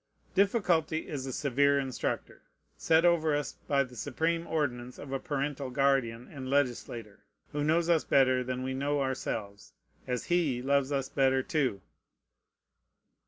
Difficulty is a severe instructor, set over us by the supreme ordinance of a parental Guardian and Legislator, who knows us better than we know ourselves, as He loves us better too.